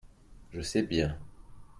je sais bien.